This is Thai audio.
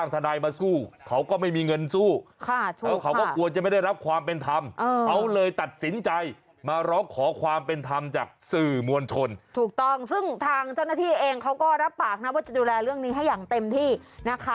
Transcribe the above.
ซึ่งทางเจ้าหน้าที่เองเขาก็รับปากนะว่าจะดูแลเรื่องนี้ให้อย่างเต็มที่นะคะ